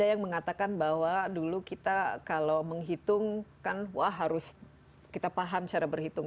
ada yang mengatakan bahwa dulu kita kalau menghitung kan wah harus kita paham cara berhitung